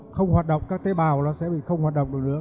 không hoạt động các tế bào nó sẽ bị không hoạt động được nữa